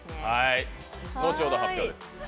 後ほど発表です。